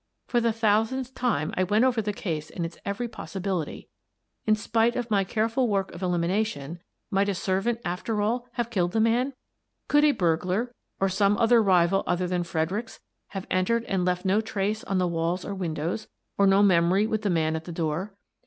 For the thousandth time, I went over the case and its every possibility. In spite of my careful work of elimi nation, might a servant, after all, have killed the man? Could a burglar, or some other rival than 1 86 Miss Frances Baird, Detective Fredericks, have entered and left no trace on the walls or windows, or no memory with the man at the door?